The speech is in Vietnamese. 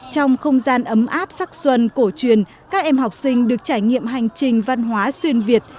trong không gian ấm áp sắc xuân cổ truyền các em học sinh được trải nghiệm hành trình văn hóa xuyên việt